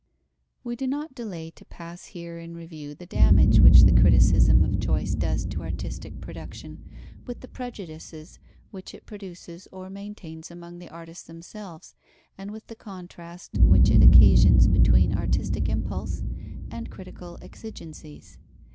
We do not delay to pass here in review the damage which the criticism of choice does to artistic production, with the prejudices which it produces or maintains among the artists themselves, and with the contrast which it occasions between artistic impulse and critical exigencies.